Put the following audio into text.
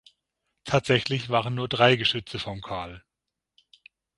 Tatsächlich waren nur drei Geschütze vom Kal.